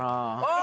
あ！